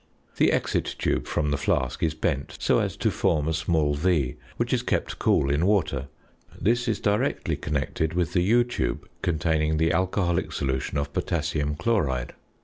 The exit tube from the flask is bent so as to form a small ~V~, which is kept cool in water; this is directly connected with the ~U~ tube containing the alcoholic solution of potassium chloride.